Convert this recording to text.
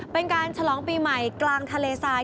เป็นการฉลองปีใหม่กลางทะเลทราย